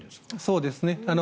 そうですね。